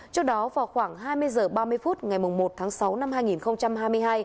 trước đó vào khoảng hai mươi h ba mươi phút ngày một tháng sáu năm hai nghìn hai mươi hai